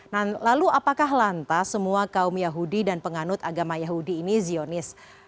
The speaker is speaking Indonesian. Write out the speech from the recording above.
nah lalu apakah lantas semua kaum yahudi dan penganut agama yahudi ini zionis